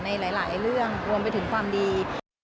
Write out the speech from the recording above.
ในหลายเรื่องรวมไปถึงความดี